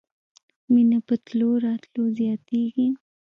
مينه په تلو راتلو زياتېږي.